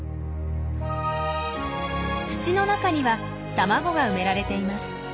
土の中には卵が埋められています。